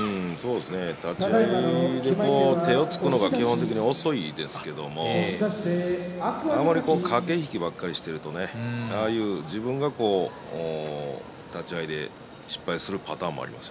立ち合いで手をつくのが基本的に遅いですけれどもあまり駆け引きばかりしていると自分が立ち合いで失敗するパターンがあります。